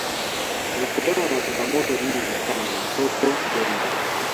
anakutana na changamoto nyingi sana watoto wengi